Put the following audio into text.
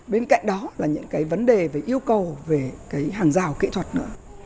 bên cạnh đó là những cái vấn đề về yêu cầu về cái hàng rào kỹ thuật nữa